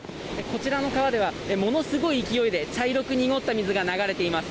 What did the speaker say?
こちらの川ではものすごい勢いで茶色く濁った水が流れてます。